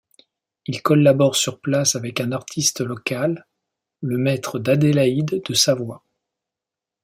Il collabore sur place avec un artiste local, le Maître d'Adélaïde de Savoie.